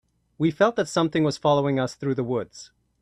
We felt that something was following us through the woods.